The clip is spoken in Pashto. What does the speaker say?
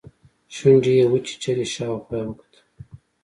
شونډې يې وچيچلې شاوخوا يې وکتل.